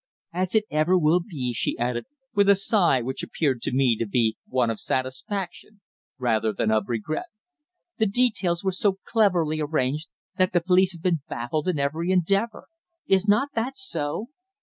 "As it ever will be," she added, with a sigh which appeared to me to be one of satisfaction, rather than of regret. "The details were so cleverly arranged that the police have been baffled in every endeavour. Is not that so?"